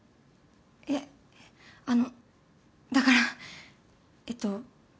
いやあのだからえっと